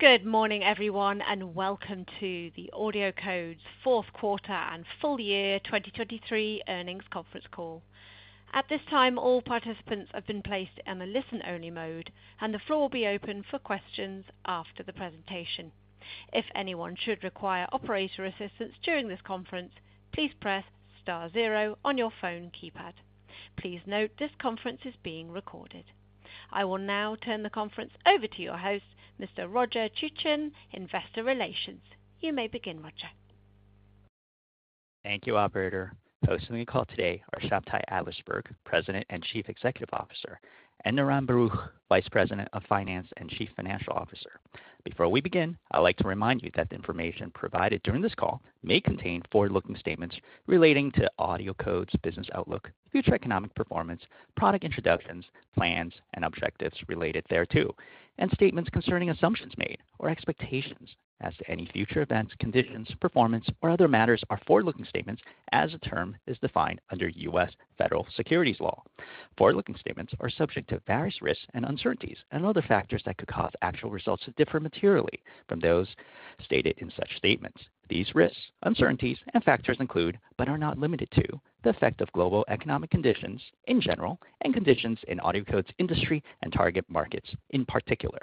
Good morning, everyone, and welcome to the AudioCodes' fourth quarter and full year 2023 earnings conference call. At this time, all participants have been placed in a listen-only mode, and the floor will be open for questions after the presentation. If anyone should require operator assistance during this conference, please press star zero on your phone keypad. Please note, this conference is being recorded. I will now turn the conference over to your host, Mr. Roger Chuchen, Investor Relations. You may begin, Roger. Thank you, operator. Hosting the call today are Shabtai Adlersberg, President and Chief Executive Officer, and Niran Baruch, Vice President of Finance and Chief Financial Officer. Before we begin, I'd like to remind you that the information provided during this call may contain forward-looking statements relating to AudioCodes' business outlook, future economic performance, product introductions, plans, and objectives related thereto, and statements concerning assumptions made or expectations as to any future events, conditions, performance, or other matters are forward-looking statements as the term is defined under U.S. Federal Securities law. Forward-looking statements are subject to various risks and uncertainties and other factors that could cause actual results to differ materially from those stated in such statements. These risks, uncertainties, and factors include, but are not limited to, the effect of global economic conditions in general and conditions in AudioCodes' industry and target markets, in particular,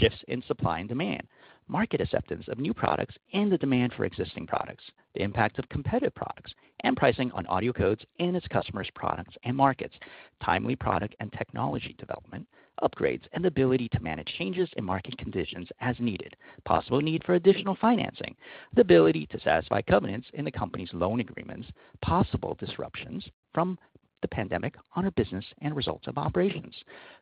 shifts in supply and demand, market acceptance of new products, and the demand for existing products, the impact of competitive products and pricing on AudioCodes and its customers, products, and markets, timely product and technology development, upgrades, and the ability to manage changes in market conditions as needed, possible need for additional financing, the ability to satisfy covenants in the company's loan agreements, possible disruptions from the pandemic on our business and results of operations.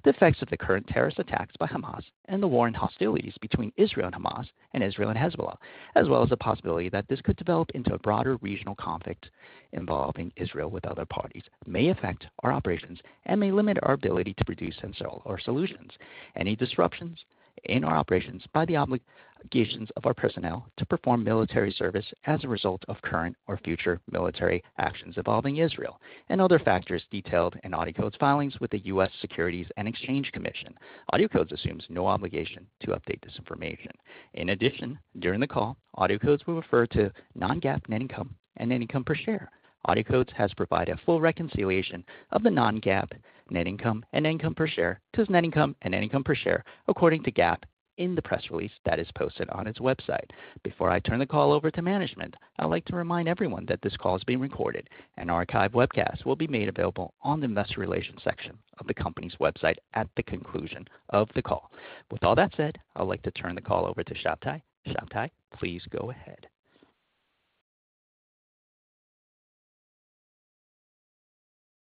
The effects of the current terrorist attacks by Hamas and the war and hostilities between Israel and Hamas and Israel and Hezbollah, as well as the possibility that this could develop into a broader regional conflict involving Israel with other parties, may affect our operations and may limit our ability to produce and sell our solutions. Any disruptions in our operations by the obligations of our personnel to perform military service as a result of current or future military actions involving Israel and other factors detailed in AudioCodes' filings with the U.S. Securities and Exchange Commission. AudioCodes assumes no obligation to update this information. In addition, during the call, AudioCodes will refer to non-GAAP net income and net income per share. AudioCodes has provided a full reconciliation of the non-GAAP net income and income per share to net income and net income per share, according to GAAP, in the press release that is posted on its website. Before I turn the call over to management, I'd like to remind everyone that this call is being recorded and archived webcast will be made available on the Investor Relations section of the company's website at the conclusion of the call. With all that said, I'd like to turn the call over to Shabtai. Shabtai, please go ahead.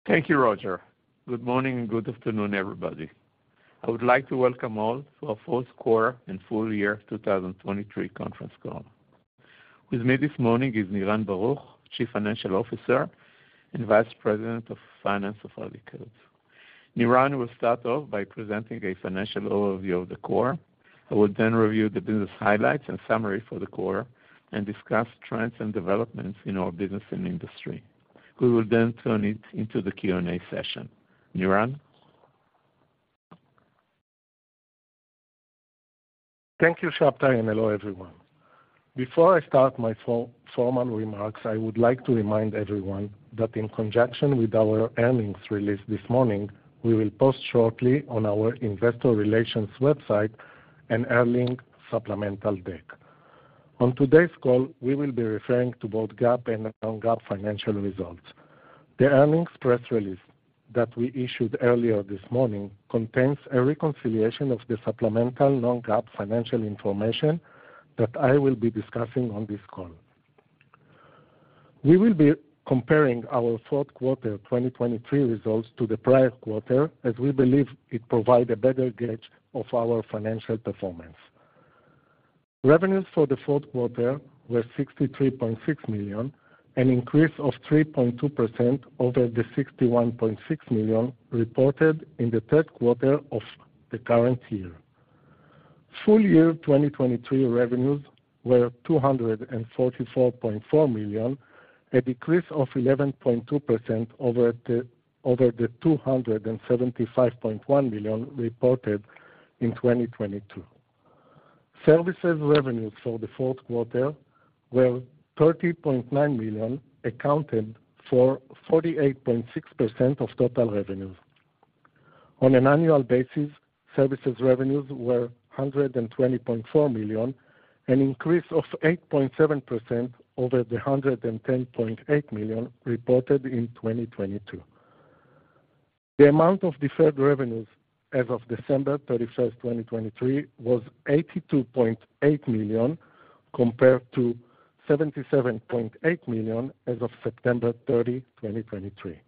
Thank you, Roger. Good morning and good afternoon, everybody. I would like to welcome all to our fourth quarter and full year 2023 conference call. With me this morning is Niran Baruch, Chief Financial Officer and Vice President of Finance of AudioCodes. Niran will start off by presenting a financial overview of the quarter. I will then review the business highlights and summary for the quarter and discuss trends and developments in our business and industry. We will then turn it into the Q&A session. Niran? Thank you, Shabtai, and hello, everyone. Before I start my formal remarks, I would like to remind everyone that in conjunction with our earnings release this morning, we will post shortly on our investor relations website an earnings supplemental deck. On today's call, we will be referring to both GAAP and non-GAAP financial results. The earnings press release that we issued earlier this morning contains a reconciliation of the supplemental non-GAAP financial information that I will be discussing on this call. We will be comparing our fourth quarter 2023 results to the prior quarter, as we believe it provides a better gauge of our financial performance. Revenues for the fourth quarter were $63.6 million, an increase of 3.2% over the $61.6 million reported in the third quarter of the current year. Full-year 2023 revenues were $244.4 million, a decrease of 11.2% over the $275.1 million reported in 2022. Services revenues for the fourth quarter were $30.9 million, accounted for 48.6% of total revenues. On an annual basis, services revenues were $120.4 million, an increase of 8.7% over the $110.8 million reported in 2022. The amount of deferred revenues as of December 31st, 2023, was $82.8 million, compared to $77.8 million as of September 30, 2023.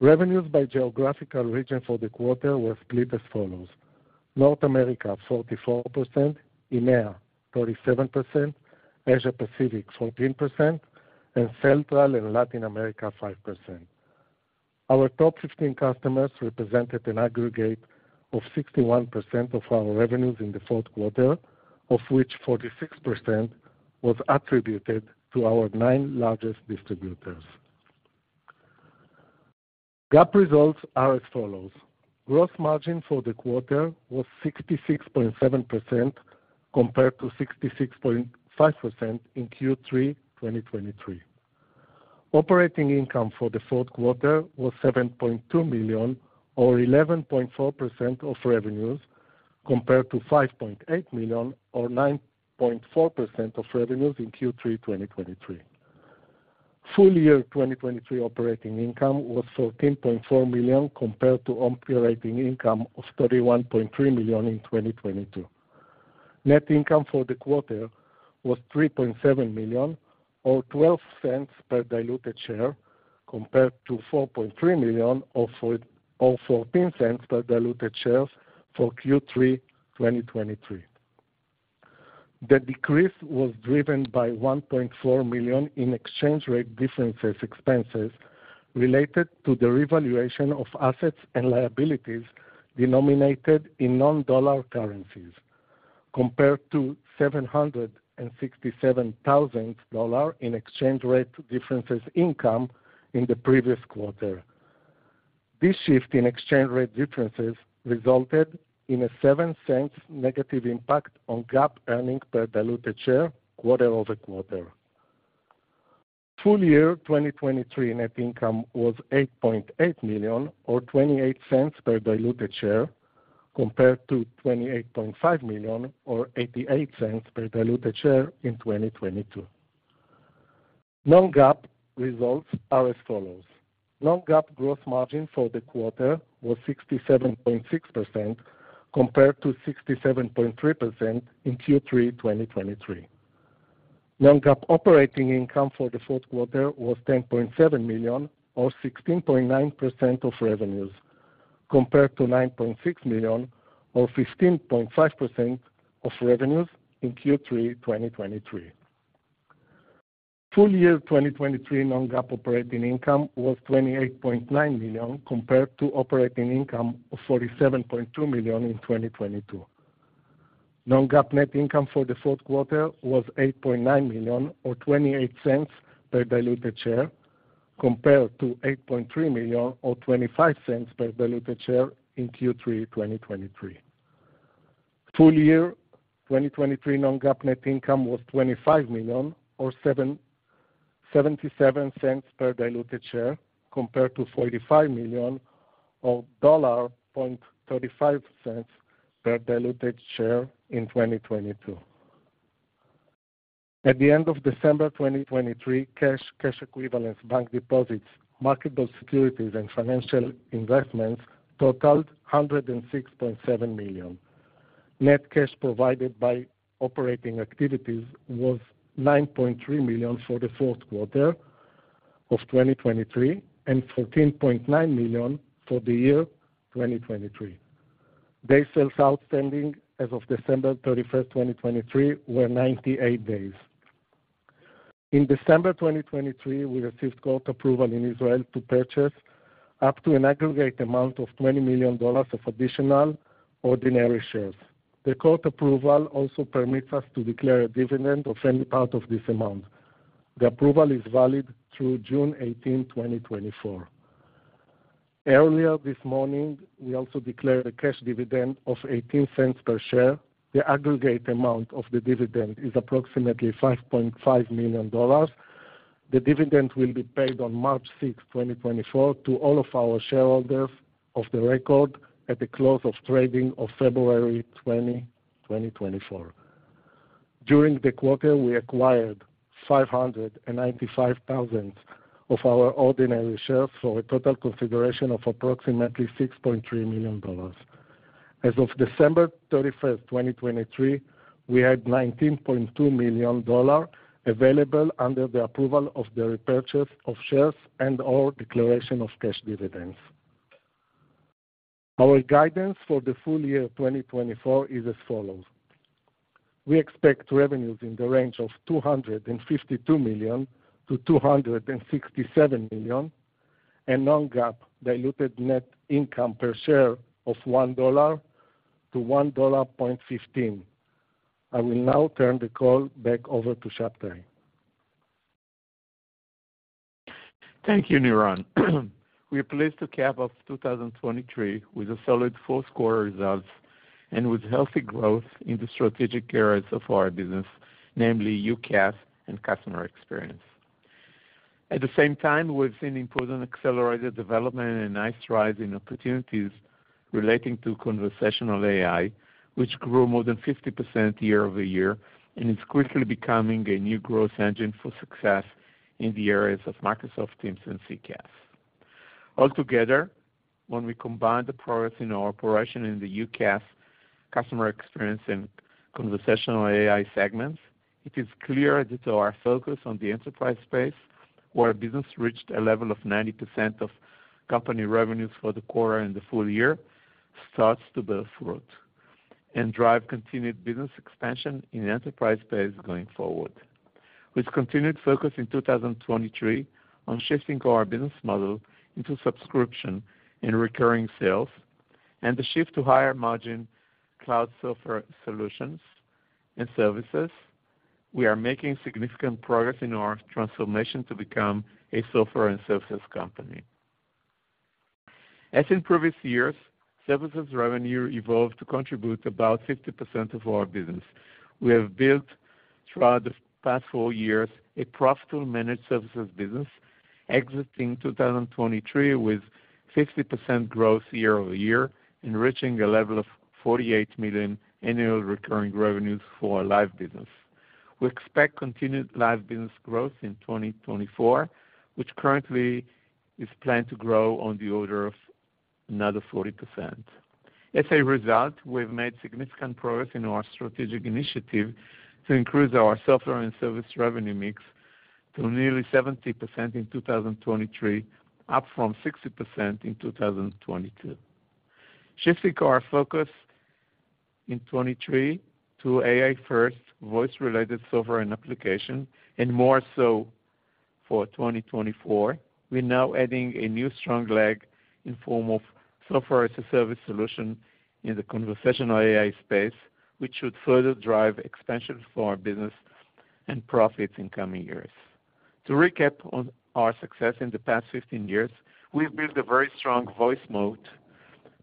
Revenues by geographical region for the quarter were split as follows: North America, 44%; EMEA, 37%; Asia Pacific, 14%; and Central and Latin America, 5%. Our top 15 customers represented an aggregate of 61% of our revenues in the fourth quarter, of which 46% was attributed to our nine largest distributors. GAAP results are as follows: Gross margin for the quarter was 66.7%, compared to 66.5% in Q3 2023. Operating income for the fourth quarter was $7.2 million, or 11.4% of revenues, compared to $5.8 million, or 9.4% of revenues in Q3 2023. Full year 2023 operating income was $13.4 million, compared to operating income of $31.3 million in 2022. Net income for the quarter was $3.7 million, or $0.12 per diluted share, compared to $4.3 million or $0.14 per diluted shares for Q3 2023. The decrease was driven by $1.4 million in exchange rate differences expenses related to the revaluation of assets and liabilities denominated in non-dollar currencies, compared to $767,000 in exchange rate differences income in the previous quarter. This shift in exchange rate differences resulted in a $0.07 negative impact on GAAP earnings per diluted share quarter over quarter. Full year, 2023 net income was $8.8 million, or $0.28 per diluted share, compared to $28.5 million, or $0.88 per diluted share in 2022. Non-GAAP results are as follows: Non-GAAP gross margin for the quarter was 67.6%, compared to 67.3% in Q3 2023. Non-GAAP operating income for the fourth quarter was $10.7 million or 16.9% of revenues, compared to $9.6 million or 15.5% of revenues in Q3 2023. Full year 2023 non-GAAP operating income was $28.9 million, compared to operating income of $47.2 million in 2022. Non-GAAP net income for the fourth quarter was $8.9 million or $0.28 per diluted share, compared to $8.3 million or $0.25 per diluted share in Q3 2023. Full year 2023 non-GAAP net income was $25 million or $0.77 per diluted share, compared to $45 million or $0.35 per diluted share in 2022. At the end of December 2023, cash, cash equivalents, bank deposits, marketable securities, and financial investments totaled $106.7 million. Net cash provided by operating activities was $9.3 million for the fourth quarter of 2023, and $14.9 million for the year 2023. Days sales outstanding as of December 31st, 2023, were 98 days. In December 2023, we received court approval in Israel to purchase up to an aggregate amount of $20 million of additional ordinary shares. The court approval also permits us to declare a dividend of any part of this amount. The approval is valid through June 18, 2024. Earlier this morning, we also declared a cash dividend of $0.18 per share. The aggregate amount of the dividend is approximately $5.5 million. The dividend will be paid on March 6, 2024, to all of our shareholders of record at the close of trading on February 20, 2024. During the quarter, we acquired 595,000 of our ordinary shares for a total consideration of approximately $6.3 million. As of December 31st, 2023, we had $19.2 million available under the approval of the repurchase of shares and/or declaration of cash dividends. Our guidance for the full year of 2024 is as follows: We expect revenues in the range of $252 million-$267 million, and non-GAAP diluted net income per share of $1.00-$1.15. I will now turn the call back over to Shabtai. Thank you, Niran. We are pleased to cap off 2023 with a solid fourth quarter results and with healthy growth in the strategic areas of our business, namely UCaaS and customer experience. At the same time, we've seen important accelerated development and nice rise in opportunities relating to conversational AI, which grew more than 50% year-over-year, and it's quickly becoming a new growth engine for success in the areas of Microsoft Teams and CCaaS. Altogether, when we combine the progress in our operation in the UCaaS, customer experience, and conversational AI segments, it is clear that our focus on the enterprise space, where business reached a level of 90% of company revenues for the quarter and the full year, starts to bear fruit and drive continued business expansion in the enterprise space going forward. With continued focus in 2023 on shifting our business model into subscription and recurring sales, and the shift to higher margin cloud software solutions and services, we are making significant progress in our transformation to become a software and services company. As in previous years, services revenue evolved to contribute about 50% of our business. We have built, throughout the past four years, a profitable managed services business, exiting 2023 with 50% growth year-over-year, enriching a level of $48 million annual recurring revenues for our Live business. We expect continued Live business growth in 2024, which currently is planned to grow on the order of another 40%. As a result, we've made significant progress in our strategic initiative to increase our software and service revenue mix to nearly 70% in 2023, up from 60% in 2022. Shifting our focus in 2023 to AI-first, voice-related software and application, and more so for 2024, we're now adding a new strong leg in form of software-as-a-service solution in the conversational AI space, which should further drive expansion for our business and profits in coming years. To recap on our success in the past 15 years, we've built a very strong voice mode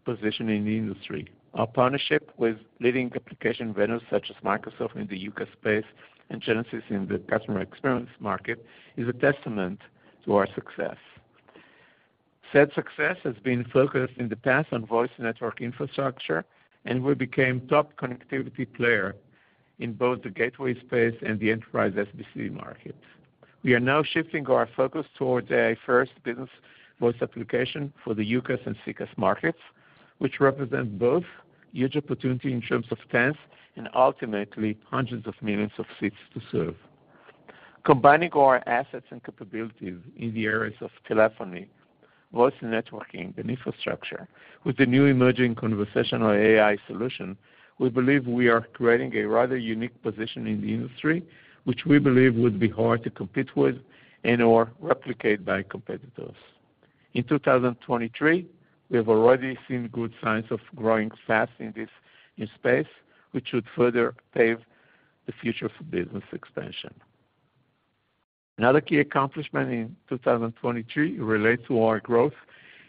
position in the industry. Our partnership with leading application vendors such as Microsoft in the UCaaS space and Genesys in the customer experience market, is a testament to our success. Solid success has been focused in the past on voice network infrastructure, and we became top connectivity player in both the gateway space and the enterprise SBC market. We are now shifting our focus towards AI-first business voice application for the UCaaS and CCaaS markets, which represent both huge opportunity in terms of tens and ultimately hundreds of millions of seats to serve. Combining our assets and capabilities in the areas of telephony, voice networking, and infrastructure with the new emerging conversational AI solution, we believe we are creating a rather unique position in the industry, which we believe would be hard to compete with and/or replicate by competitors. In 2023, we have already seen good signs of growing fast in this new space, which should further pave the future for business expansion. Another key accomplishment in 2023 relates to our growth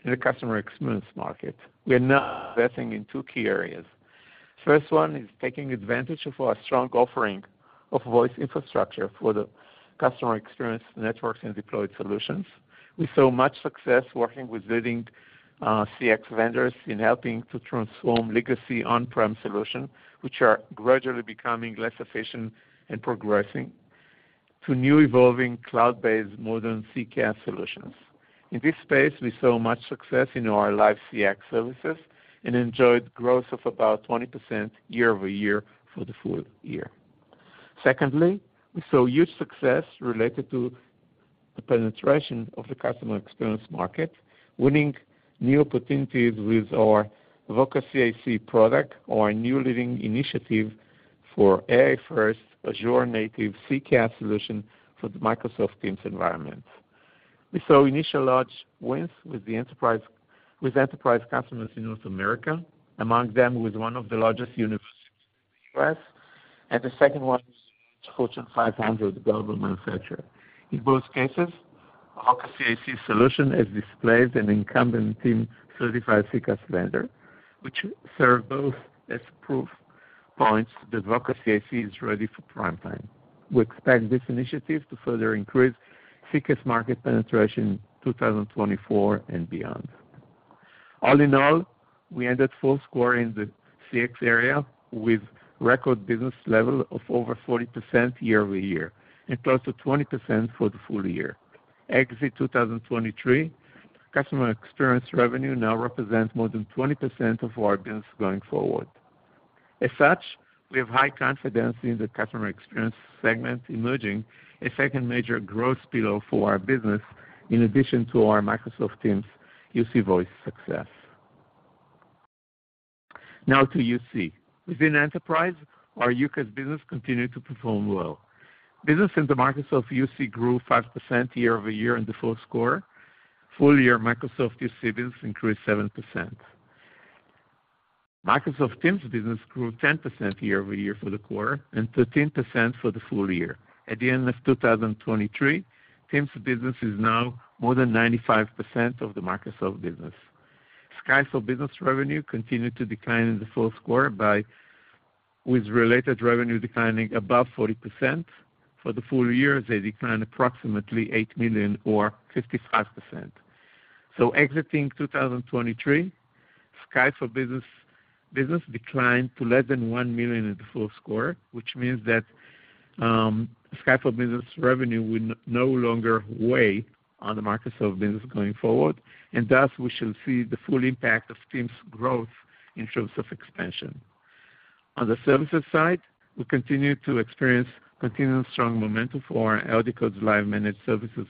in the customer experience market. We are now investing in two key areas. First one is taking advantage of our strong offering of voice infrastructure for the customer experience, networks, and deployed solutions. We saw much success working with leading CX vendors in helping to transform legacy on-prem solution, which are gradually becoming less efficient and progressing to new, evolving, cloud-based, modern CCaaS solutions. In this space, we saw much success in our Live CX services and enjoyed growth of about 20% year-over-year for the full year. Secondly, we saw huge success related to the penetration of the customer experience market, winning new opportunities with our Voca CIC product, our new leading initiative for AI-first, Azure-native CCaaS solution for the Microsoft Teams environment. We saw initial large wins with enterprise customers in North America, among them, with one of the largest universities in the U.S., and the second one, Fortune 500 global manufacturer. In both cases, Voca CIC solution has displaced an incumbent Teams-certified CCaaS vendor, which serve both as proof points that Voca CIC is ready for prime time. We expect this initiative to further increase thicker market penetration in 2024 and beyond. All in all, we ended fourth quarter in the CX area with record business level of over 40% year-over-year and close to 20% for the full year. Exiting 2023, customer experience revenue now represents more than 20% of our business going forward. As such, we have high confidence in the customer experience segment, emerging a second major growth pillar for our business, in addition to our Microsoft Teams UC voice success. Now to UC. Within enterprise, our UCaaS business continued to perform well. Business in the Microsoft UC grew 5% year-over-year in the fourth quarter. Full year, Microsoft UC business increased 7%. Microsoft Teams business grew 10% year-over-year for the quarter and 13% for the full year. At the end of 2023, Teams business is now more than 95% of the Microsoft business. Skype for Business revenue continued to decline in the fourth quarter by... With related revenue declining above 40%. For the full year, they declined approximately $8 million or 55%. So exiting 2023, Skype for Business business declined to less than $1 million in Q4, which means that Skype for Business revenue will no longer weigh on the Microsoft business going forward, and thus we should see the full impact of Teams growth in terms of expansion. On the services side, we continue to experience continuous strong momentum for AudioCodes' Live managed services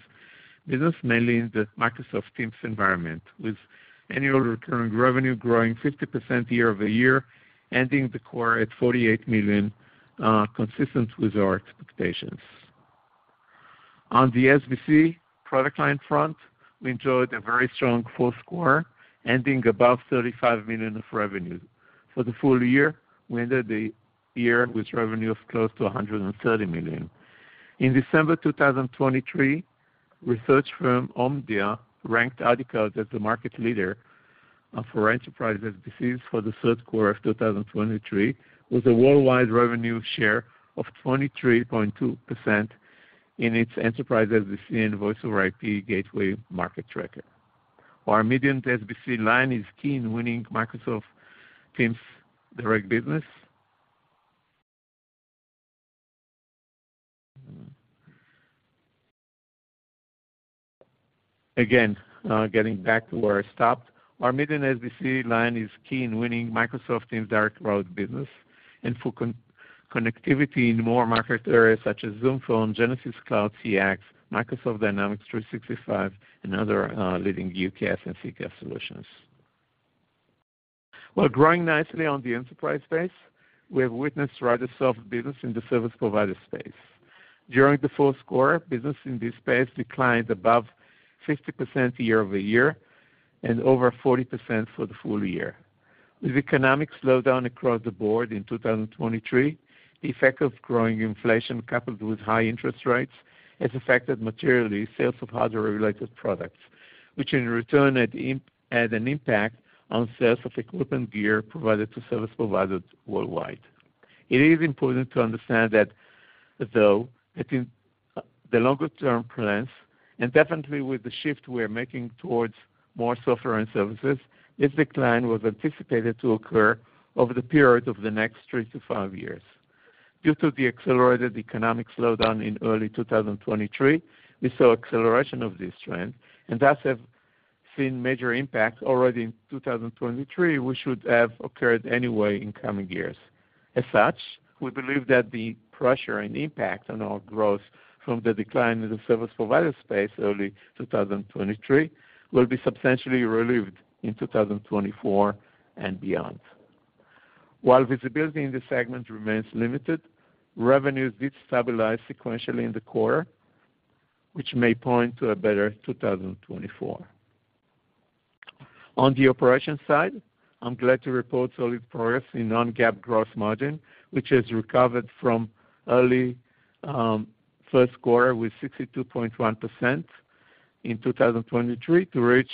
business, mainly in the Microsoft Teams environment, with annual recurring revenue growing 50% year-over-year, ending the quarter at $48 million, consistent with our expectations. On the SBC product line front, we enjoyed a very strong fourth quarter, ending above $35 million of revenue. For the full year, we ended the year with revenue of close to $130 million. In December 2023, research firm Omdia ranked AudioCodes as the market leader for enterprise SBCs for the third quarter of 2023, with a worldwide revenue share of 23.2% in its enterprise SBC and Voice over IP Gateway Market Tracker. Our Mediant SBC line is key in winning Microsoft Teams direct business. Again, getting back to where I stopped. Our Mediant SBC line is key in winning Microsoft Teams direct route business and for connectivity in more market areas such as Zoom Phone, Genesys Cloud CX, Microsoft Dynamics 365, and other leading UCaaS and CCaaS solutions. While growing nicely on the enterprise space, we have witnessed rather soft business in the service provider space. During the fourth quarter, business in this space declined above 50% year-over-year and over 40% for the full year. With economic slowdown across the board in 2023, the effect of growing inflation, coupled with high interest rates, has affected materially sales of hardware-related products, which in return had had an impact on sales of equipment gear provided to service providers worldwide. It is important to understand that, though, it is the longer-term plans, and definitely with the shift we are making towards more software and services, this decline was anticipated to occur over the period of the next 3-5 years. Due to the accelerated economic slowdown in early 2023, we saw acceleration of this trend, and thus have seen major impacts already in 2023, which should have occurred anyway in coming years. As such, we believe that the pressure and impact on our growth from the decline in the service provider space early 2023, will be substantially relieved in 2024 and beyond. While visibility in this segment remains limited, revenues did stabilize sequentially in the quarter, which may point to a better 2024. On the operation side, I'm glad to report solid progress in non-GAAP gross margin, which has recovered from early, first quarter with 62.1% in 2023, to reach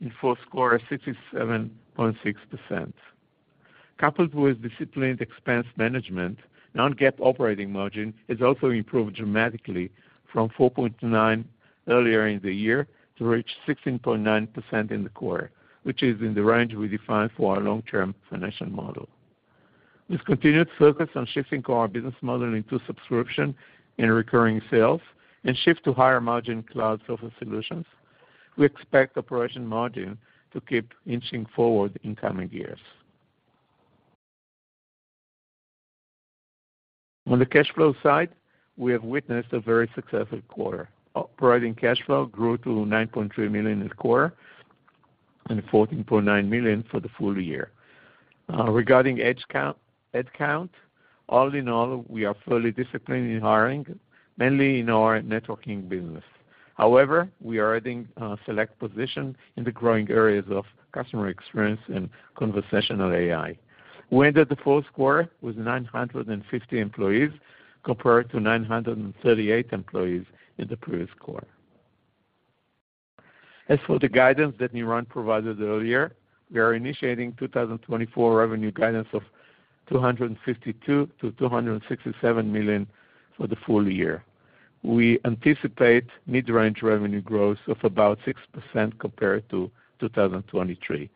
in fourth quarter, 67.6%. Coupled with disciplined expense management, non-GAAP operating margin has also improved dramatically from 4.9 earlier in the year to reach 16.9% in the quarter, which is in the range we defined for our long-term financial model. This continued focus on shifting our business model into subscription and recurring sales and shift to higher margin cloud software solutions, we expect operating margin to keep inching forward in coming years. On the cash flow side, we have witnessed a very successful quarter. Operating cash flow grew to $9.3 million this quarter and $14.9 million for the full year. Regarding headcount, all in all, we are fully disciplined in hiring, mainly in our networking business. However, we are adding select position in the growing areas of customer experience and conversational AI. We ended the fourth quarter with 950 employees, compared to 938 employees in the previous quarter. As for the guidance that Niran provided earlier, we are initiating 2024 revenue guidance of $252 million-$267 million for the full year. We anticipate mid-range revenue growth of about 6% compared to 2023.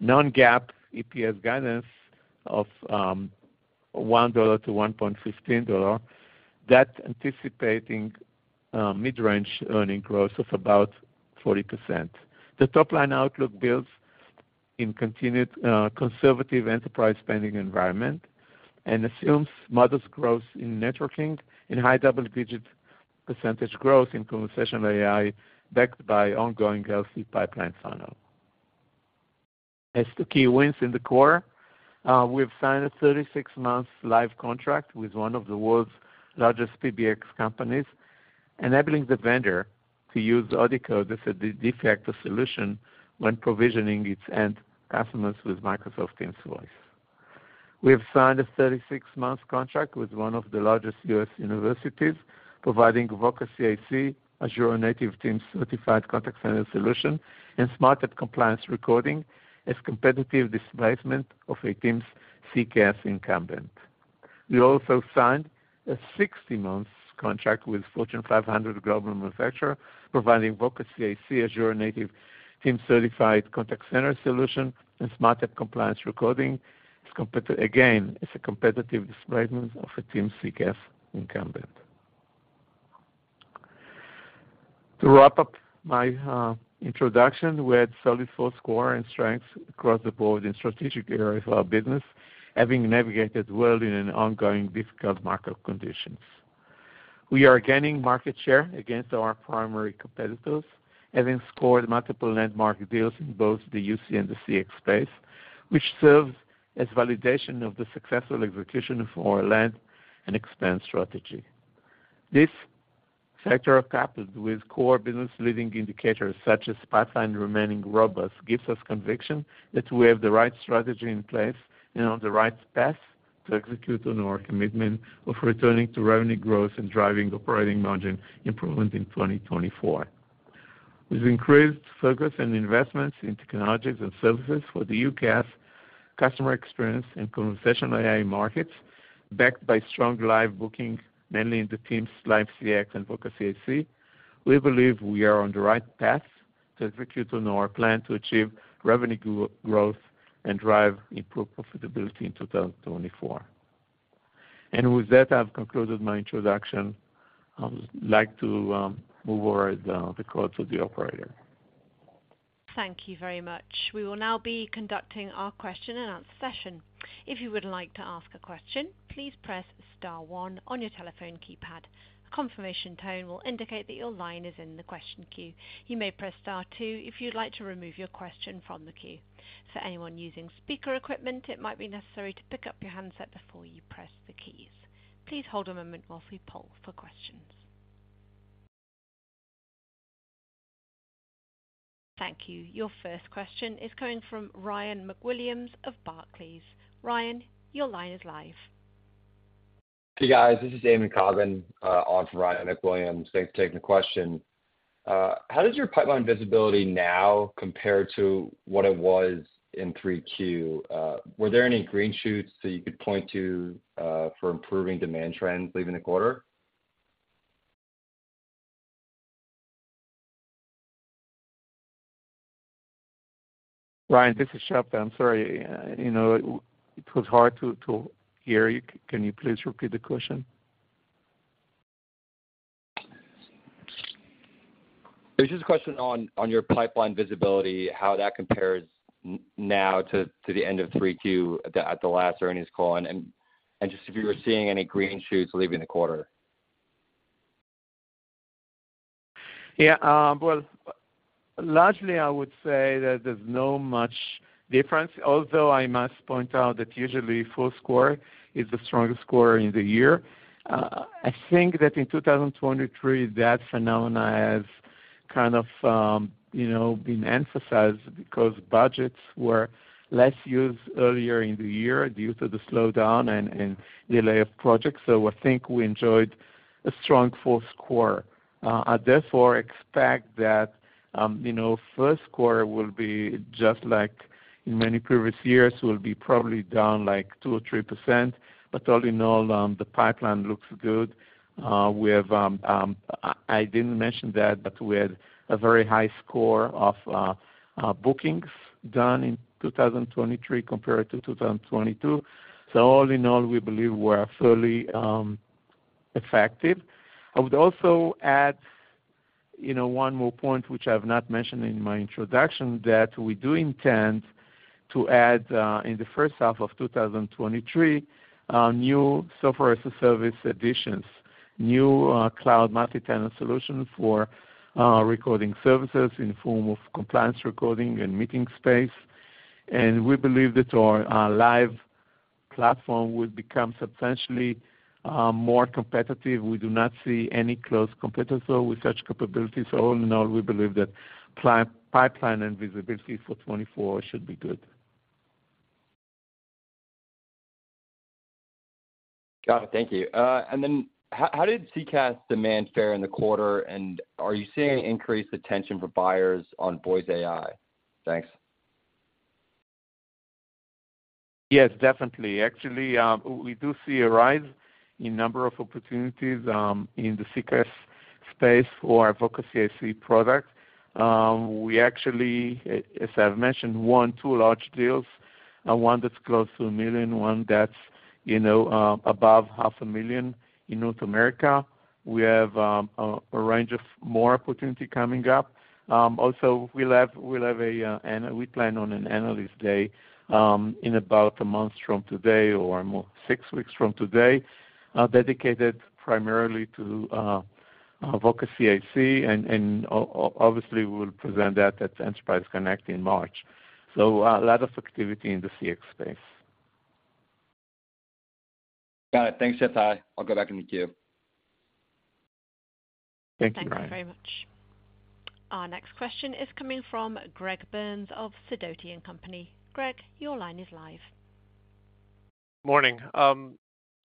Non-GAAP EPS guidance of $1-$1.15, that's anticipating mid-range earning growth of about 40%. The top-line outlook builds in continued conservative enterprise spending environment and assumes modest growth in networking and high double-digit % growth in conversational AI, backed by ongoing healthy pipeline funnel. As to key wins in the quarter, we've signed a 36-month Live contract with one of the world's largest PBX companies, enabling the vendor to use AudioCodes as a de facto solution when provisioning its end customers with Microsoft Teams voice. We have signed a 36-month contract with one of the largest U.S. universities, providing Voca CIC, Azure-native Teams-certified contact center solution and SmartTAP Compliance Recording as competitive displacement of a Teams CCaaS incumbent. We also signed a 60-month contract with Fortune 500 global manufacturer, providing Voca CIC, Azure-native Teams-certified contact center solution and SmartTAP Compliance Recording. It's competitive. Again, it's a competitive displacement of a Teams CCaaS incumbent. To wrap up my introduction, we had solid fourth quarter and strengths across the board in strategic areas of our business, having navigated well in an ongoing difficult market conditions. We are gaining market share against our primary competitors, having scored multiple landmark deals in both the UC and the CX space, which serves as validation of the successful execution of our land and expand strategy. This factor, coupled with core business leading indicators such as pipeline remaining robust, gives us conviction that we have the right strategy in place and on the right path to execute on our commitment of returning to revenue growth and driving operating margin improvement in 2024. With increased focus and investments in technologies and services for the UCaaS, customer experience, and conversational AI markets, backed by strong Live booking, mainly in the Teams Live CX and Voca CIC, we believe we are on the right path to execute on our plan to achieve revenue growth and drive improved profitability in 2024. And with that, I've concluded my introduction. I would like to move over the call to the operator. Thank you very much. We will now be conducting our question and answer session. If you would like to ask a question, please press star one on your telephone keypad. A confirmation tone will indicate that your line is in the question queue. You may press star two, if you'd like to remove your question from the queue. For anyone using speaker equipment, it might be necessary to pick up your handset before you press the keys. Please hold a moment while we poll for questions. Thank you. Your first question is coming from Ryan McWilliams of Barclays. Ryan, your line is live. Hey, guys. This is Eamon Coughlin on for Ryan McWilliams. Thanks for taking the question. How does your pipeline visibility now compare to what it was in 3Q? Were there any green shoots that you could point to for improving demand trends leaving the quarter? Ryan, this is Shabtai. I'm sorry, you know, it was hard to hear you. Can you please repeat the question? It's just a question on your pipeline visibility, how that compares now to the end of 3Q at the last earnings call, and just if you were seeing any green shoots leaving the quarter. Yeah, well, largely, I would say that there's no much difference. Although I must point out that usually fourth quarter is the strongest quarter in the year. I think that in 2023, that phenomena has kind of, you know, been emphasized because budgets were less used earlier in the year due to the slowdown and delay of projects. So I think we enjoyed a strong fourth quarter. I therefore expect that, you know, first quarter will be just like in many previous years, will be probably down, like, 2%-3%, but all in all, the pipeline looks good. We have, I didn't mention that, but we had a very high score of bookings done in 2023 compared to 2022. So all in all, we believe we're fairly effective. I would also add, you know, one more point, which I've not mentioned in my introduction, that we do intend to add, in the first half of 2023, new software as a service additions, new, cloud multitenant solution for, recording services in the form of compliance recording and meeting space. And we believe that our, Live platform will become substantially, more competitive. We do not see any close competitors, though, with such capabilities. So all in all, we believe that pipeline and visibility for 2024 should be good. Got it. Thank you. And then how did CCaaS demand fare in the quarter, and are you seeing increased attention for buyers on Voice AI? Thanks. Yes, definitely. Actually, we do see a rise in number of opportunities in the CCaaS space for our Voca CIC product. We actually, as I've mentioned, won two large deals, one that's close to $1 million, one that's, you know, above $500,000 in North America. We have a range of more opportunity coming up. Also, we plan on an analyst day in about a month from today, or six weeks from today, dedicated primarily to Voca CIC. And, obviously, we'll present that at Enterprise Connect in March. So a lot of activity in the CX space. Got it. Thanks, Shabtai. I'll go back in the queue. Thank you, Ryan. Thank you very much. Our next question is coming from Greg Burns of Sidoti & Company. Greg, your line is live. Morning.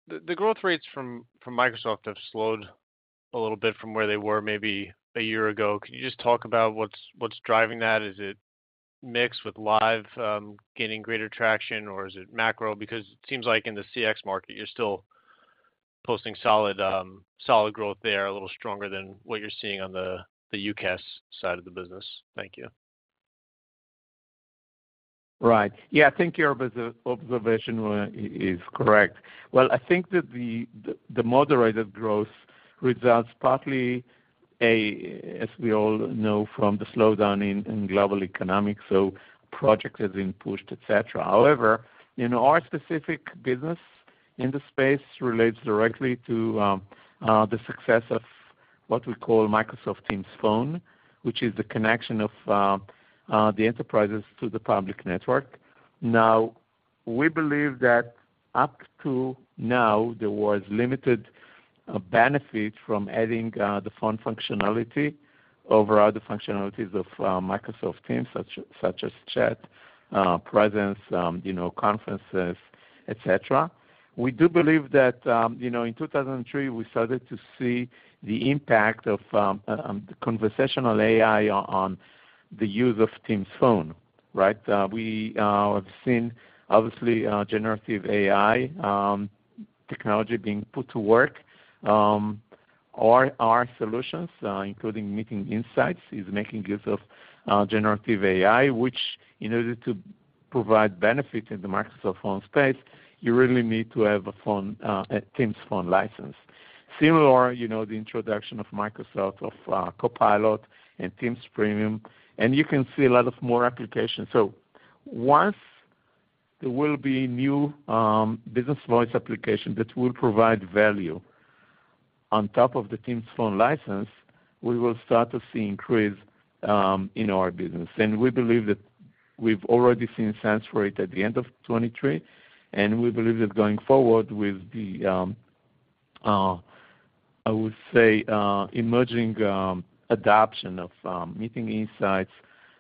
The growth rates from Microsoft have slowed a little bit from where they were maybe a year ago. Can you just talk about what's driving that? Is it mix with Live gaining greater traction, or is it macro? Because it seems like in the CX market, you're still posting solid growth there, a little stronger than what you're seeing on the UCaaS side of the business. Thank you. Right. Yeah, I think your observation was, is correct. Well, I think that the moderated growth results partly as, as we all know, from the slowdown in global economics, so projects have been pushed, et cetera. However, in our specific business in the space relates directly to the success of what we call Microsoft Teams Phone, which is the connection of the enterprises to the public network. Now, we believe that up to now, there was limited benefit from adding the phone functionality over other functionalities of Microsoft Teams, such as chat, presence, you know, conferences, et cetera. We do believe that, you know, in 2023, we started to see the impact of conversational AI on the use of Teams Phone, right? We have seen, obviously, generative AI technology being put to work. All our solutions, including Meeting Insights, is making use of generative AI, which in order to provide benefit in the Microsoft Phone space, you really need to have a phone, a Teams Phone license. Similar, you know, the introduction of Microsoft of Copilot and Teams Premium, and you can see a lot of more applications. So once there will be new business voice application that will provide value on top of the Teams Phone license, we will start to see increase in our business. We believe that we've already seen sense for it at the end of 2023, and we believe that going forward with the I would say emerging adoption of Meeting Insights,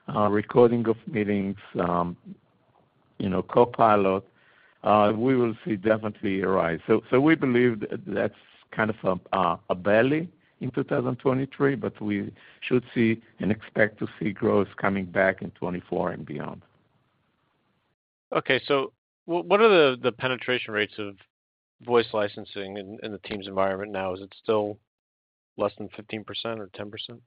recording of meetings, you know, Copilot, we will see definitely a rise. So we believe that's kind of a valley in 2023, but we should see and expect to see growth coming back in 2024 and beyond. Okay, so what are the penetration rates of voice licensing in the Teams environment now? Is it still less than 15% or 10%?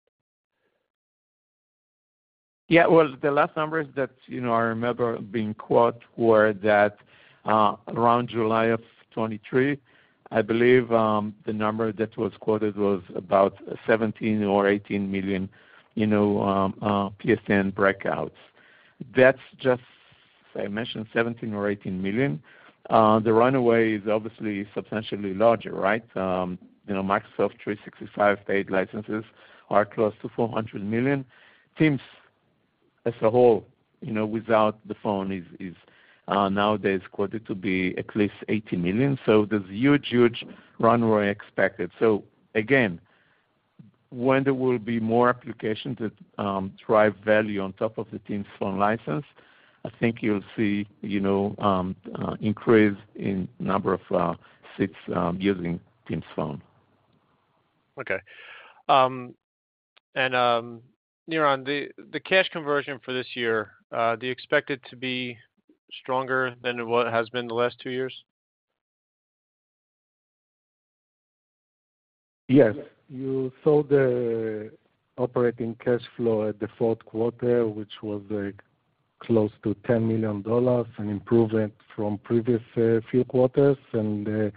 Yeah, well, the last numbers that, you know, I remember being quoted were that, around July of 2023, I believe, the number that was quoted was about 17 or 18 million, you know, Teams Phone breakouts. That's just... As I mentioned, 17 or 18 million. The runway is obviously substantially larger, right? You know, Microsoft 365 paid licenses are close to 400 million. Teams as a whole, you know, without the phone is, is, nowadays quoted to be at least 80 million. So there's huge, huge runway expected. So again, when there will be more applications that, drive value on top of the Teams Phone license, I think you'll see, you know, increase in number of, seats, using Teams Phone. Okay. Niran, the cash conversion for this year, do you expect it to be stronger than what it has been the last two years? Yes. You saw the operating cash flow at the fourth quarter, which was, like, close to $10 million, an improvement from previous few quarters, and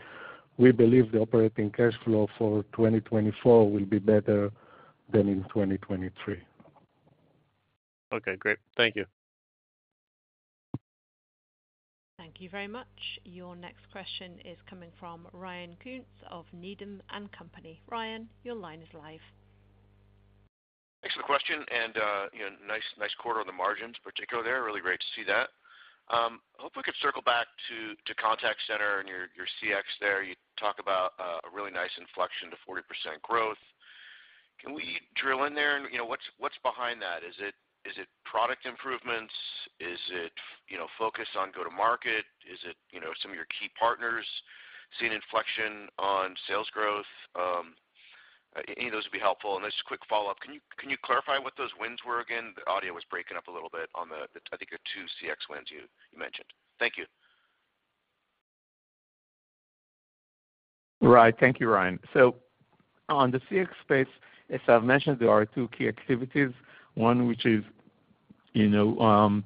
we believe the operating cash flow for 2024 will be better than in 2023. Okay, great. Thank you. Thank you very much. Your next question is coming from Ryan Koontz of Needham & Company. Ryan, your line is live. Thanks for the question, and, you know, nice, nice quarter on the margins, particularly there. Really great to see that. I hope we could circle back to contact center and your CX there. You talk about a really nice inflection to 40% growth. Can we drill in there? And, you know, what's behind that? Is it product improvements? Is it, you know, focused on go-to-market? Is it, you know, some of your key partners seeing an inflection on sales growth? Any of those would be helpful. And just a quick follow-up, can you clarify what those wins were again? The audio was breaking up a little bit on the, I think, the two CX wins you mentioned. Thank you. Right. Thank you, Ryan. So on the CX space, as I've mentioned, there are two key activities. One, which is, you know,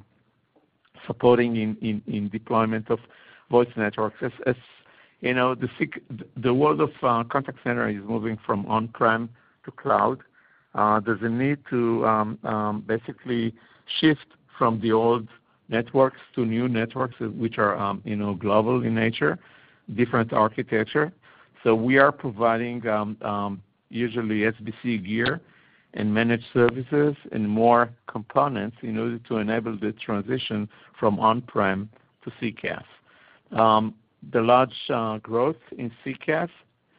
supporting in deployment of voice networks. As you know, the world of contact center is moving from on-prem to cloud. There's a need to basically shift from the old networks to new networks, which are, you know, global in nature, different architecture. So we are providing usually SBC gear and managed services and more components in order to enable the transition from on-prem to CCaaS. The large growth in CCaaS,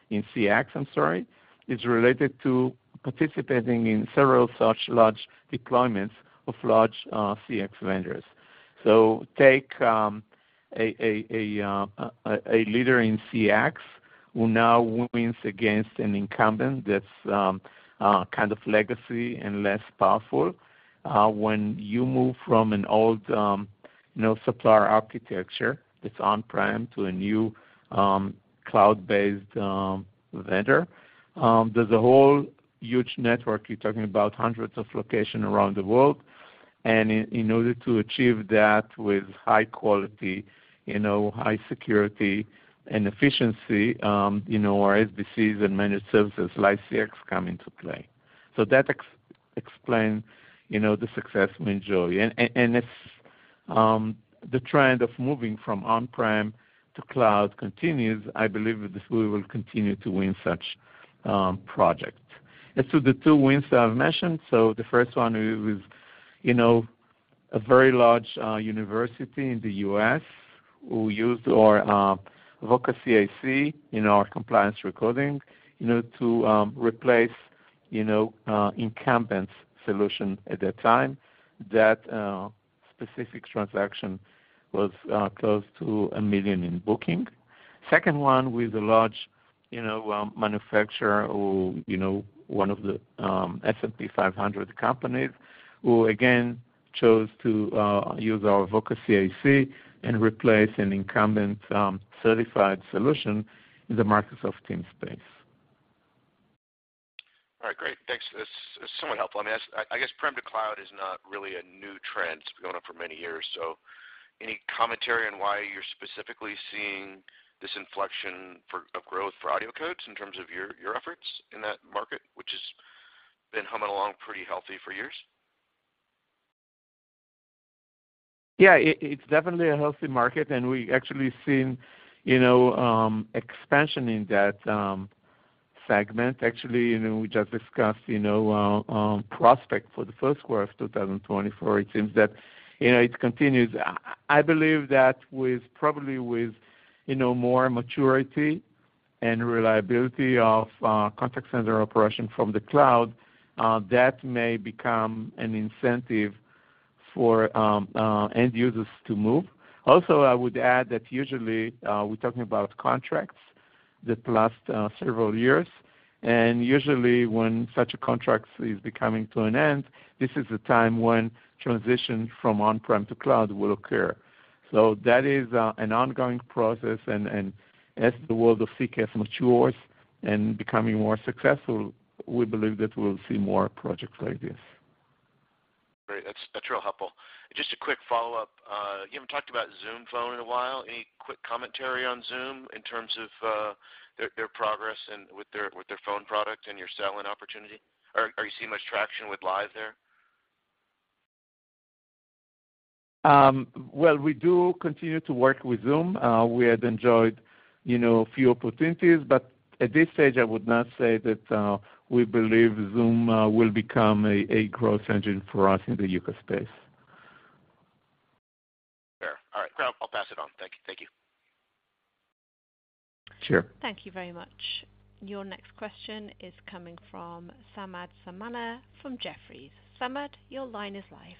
in CX, I'm sorry, is related to participating in several such large deployments of large CX vendors. So take a leader in CX who now wins against an incumbent that's kind of legacy and less powerful. When you move from an old you know supplier architecture that's on-prem to a new cloud-based vendor, there's a whole huge network. You're talking about hundreds of locations around the world. And in order to achieve that with high quality, you know, high security and efficiency, you know, our SBCs and managed services like CX come into play. So that explains, you know, the success we enjoy. The trend of moving from on-prem to cloud continues. I believe that we will continue to win such projects. As to the two wins that I've mentioned, so the first one was, you know, a very large university in the U.S., who used our Voca CIC in our compliance recording, you know, to replace, you know, incumbent solution at that time. That specific transaction was close to $1 million in booking. Second one, with a large, you know, manufacturer who, you know, one of the S&P 500 companies, who, again, chose to use our Voca CIC and replace an incumbent certified solution in the Microsoft Teams space. All right, great! Thanks. This is somewhat helpful. I'm going to ask, I guess prem to cloud is not really a new trend, it's been going on for many years, so any commentary on why you're specifically seeing this inflection for, of growth for AudioCodes in terms of your, your efforts in that market, which has been humming along pretty healthy for years? Yeah, it, it's definitely a healthy market, and we actually seen, you know, expansion in that segment. Actually, you know, we just discussed, you know, prospects for the first quarter of 2024. It seems that, you know, it continues. I, I believe that with, probably with, you know, more maturity and reliability of contact center operation from the cloud, that may become an incentive for end users to move. Also, I would add that usually, we're talking about contracts that last several years, and usually when such a contract is coming to an end, this is the time when transition from on-prem to cloud will occur. So that is an ongoing process, and as the world of CCaaS matures and becoming more successful, we believe that we'll see more projects like this. Great. That's, that's real helpful. Just a quick follow-up. You haven't talked about Zoom Phone in a while. Any quick commentary on Zoom in terms of, their, their progress and with their, with their phone product and your selling opportunity? Or are you seeing much traction with Live there? Well, we do continue to work with Zoom. We had enjoyed, you know, a few opportunities, but at this stage, I would not say that we believe Zoom will become a growth engine for us in the UCaaS space. Sure. All right, I'll pass it on. Thank you. Thank you. Sure. Thank you very much. Your next question is coming from Samad Samana from Jefferies. Samad, your line is live.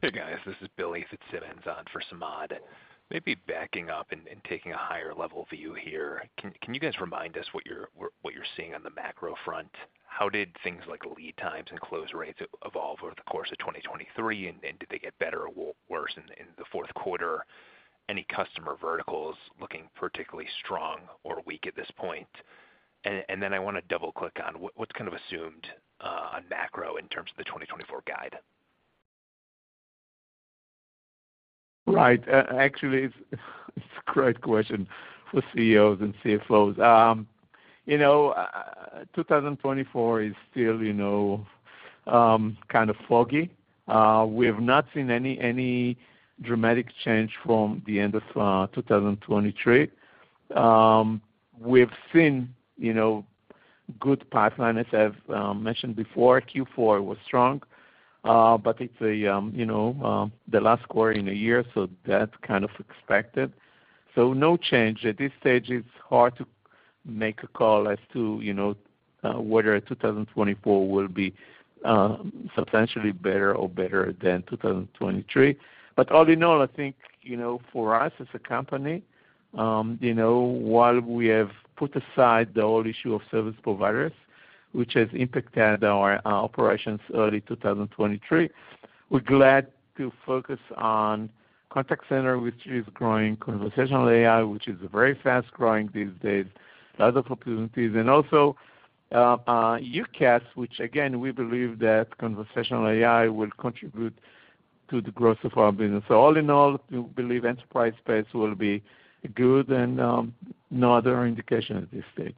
Hey, guys, this is Billy Fitzsimmons, on for Samad. Maybe backing up and taking a higher level view here, can you guys remind us what you're seeing on the macro front? How did things like lead times and close rates evolve over the course of 2023, and did they get better or worse in the fourth quarter? Any customer verticals looking particularly strong or weak at this point? Then I want to double-click on what's kind of assumed on macro in terms of the 2024 guide. Right. Actually, it's a great question for CEOs and CFOs. You know, 2024 is still, you know, kind of foggy. We have not seen any, any dramatic change from the end of, 2023. We've seen, you know, good pipeline. As I've mentioned before, Q4 was strong, but it's a, you know, the last quarter in a year, so that's kind of expected. So no change. At this stage, it's hard to make a call as to, you know, whether 2024 will be, substantially better or better than 2023. But all in all, I think, you know, for us as a company, you know, while we have put aside the whole issue of service providers, which has impacted our operations early 2023, we're glad to focus on contact center, which is growing, conversational AI, which is very fast-growing these days, other opportunities, and also, UCaaS, which again, we believe that conversational AI will contribute to the growth of our business. So all in all, we believe enterprise space will be good and, no other indication at this stage.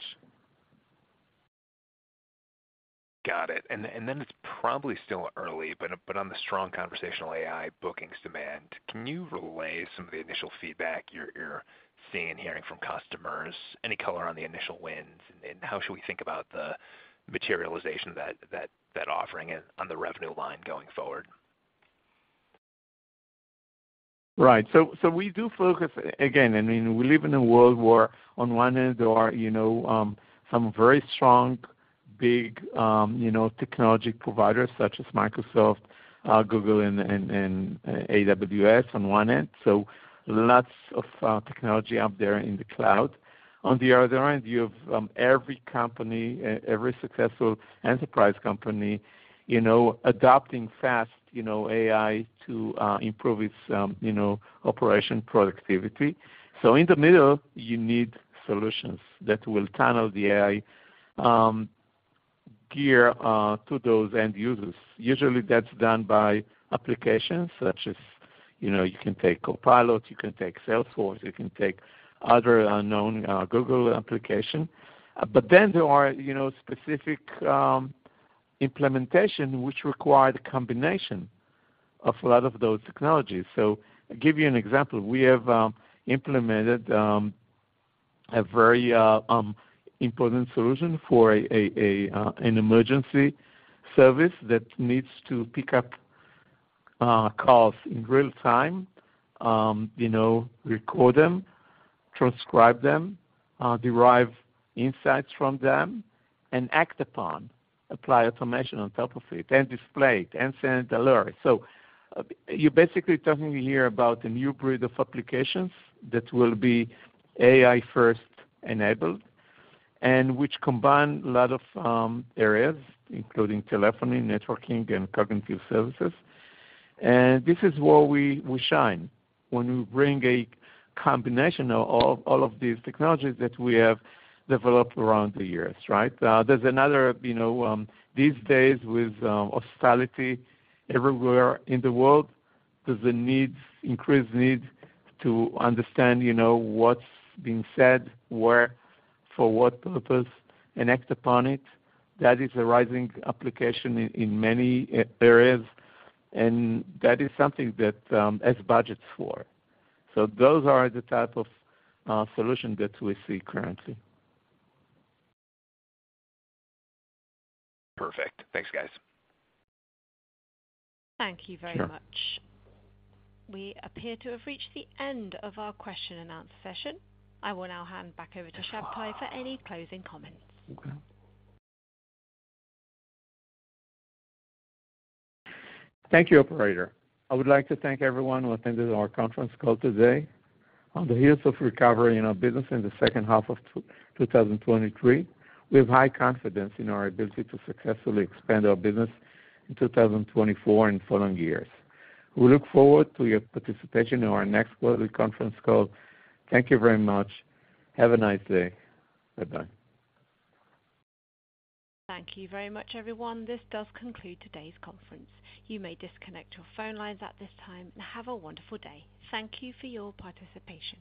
Got it. And then it's probably still early, but on the strong conversational AI bookings demand, can you relay some of the initial feedback you're seeing and hearing from customers? Any color on the initial wins, and how should we think about the materialization of that offering on the revenue line going forward? Right. So we do focus. Again, I mean, we live in a world where on one end, there are, you know, some very strong, big, you know, technology providers such as Microsoft, Google, and AWS on one end, so lots of technology out there in the cloud. On the other end, you have every company, every successful enterprise company, you know, adopting fast, you know, AI to improve its, you know, operation productivity. So in the middle, you need solutions that will tunnel the AI gear to those end users. Usually, that's done by applications such as, you know, you can take Copilot, you can take Salesforce, you can take other you know Google application. But then there are, you know, specific implementation, which required a combination of a lot of those technologies. So I'll give you an example. We have implemented a very important solution for an emergency service that needs to pick up calls in real time, you know, record them, transcribe them, derive insights from them, and act upon, apply automation on top of it, and display it, and send alerts. So you're basically talking here about a new breed of applications that will be AI-first enabled, and which combine a lot of areas, including telephony, networking, and cognitive services. And this is where we shine when we bring a combination of all of these technologies that we have developed around the years, right? There's another, you know, these days with hostility everywhere in the world, there's a need, increased need to understand, you know, what's being said, where, for what purpose, and act upon it. That is a rising application in many areas, and that is something that has budgets for. So those are the type of solutions that we see currently. Perfect. Thanks, guys. Thank you very much. Sure. We appear to have reached the end of our question and answer session. I will now hand back over to Shabtai for any closing comments. Okay. Thank you, operator. I would like to thank everyone who attended our conference call today. On the heels of recovering our business in the second half of 2023, we have high confidence in our ability to successfully expand our business in 2024 and following years. We look forward to your participation in our next quarterly conference call. Thank you very much. Have a nice day. Bye-bye. Thank you very much, everyone. This does conclude today's conference. You may disconnect your phone lines at this time, and have a wonderful day. Thank you for your participation.